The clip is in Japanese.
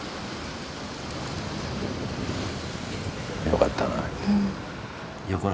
よかったな。